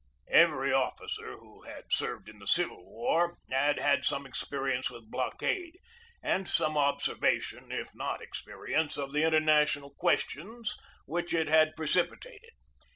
Every officer who had served in "the Civil War had had some experience with blockade, and some observation, if not experience, of the international questions which it had precipitated.